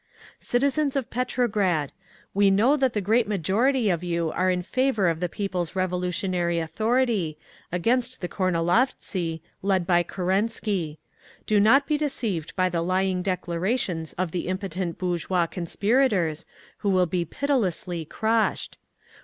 "Citizens of Petrograd! We know that the great majority of you are in favour of the people's revolutionary authority, against the Kornilovtsi led by Kerensky. Do not be deceived by the lying declarations of the impotent bourgeois conspirators, who will be pitilessly crushed.